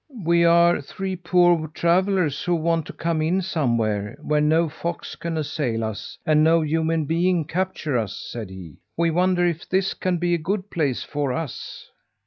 "We are three poor travellers who want to come in somewhere, where no fox can assail us, and no human being capture us," said he. "We wonder if this can be a good place for us."